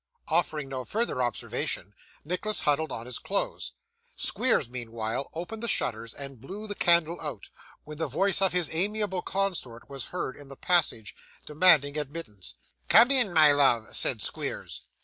Offering no further observation, Nicholas huddled on his clothes. Squeers, meanwhile, opened the shutters and blew the candle out; when the voice of his amiable consort was heard in the passage, demanding admittance. 'Come in, my love,' said Squeers.